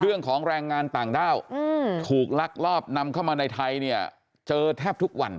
เรื่องของแรงงานต่างด้าวถูกลักลอบนำเข้ามาในไทยเนี่ยเจอแทบทุกวัน